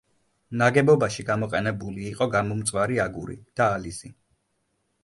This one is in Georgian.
ნაგებობაში გამოყენებული იყო გამომწვარი აგური და ალიზი.